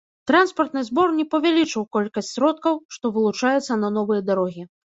Транспартны збор не павялічыў колькасць сродкаў, што вылучаюцца на новыя дарогі.